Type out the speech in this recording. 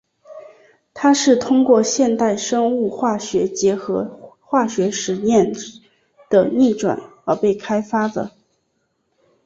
它是通过现代生物化学结合化学实验的逆转而被开发的。